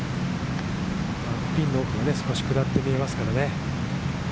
ピンの奥、少し下って見えますからね。